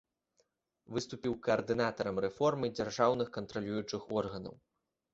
Выступіў каардынатарам рэформы дзяржаўных кантралюючых органаў.